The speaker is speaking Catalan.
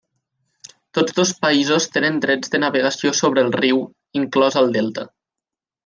Tots dos països tenen drets de navegació sobre el riu, inclòs al delta.